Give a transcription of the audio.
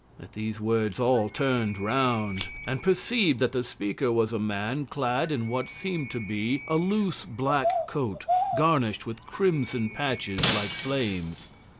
At these words all turned round, and perceived that the speaker was a man clad in what seemed to be a loose black coat garnished with crimson patches like flames.